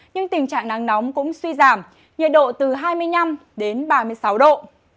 nhưng tình trạng nắng nóng cũng suy giảm nhiệt độ từ hai mươi năm đến ba mươi sáu độ